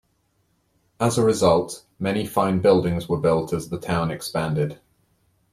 As a result, many fine buildings were built as the town expanded.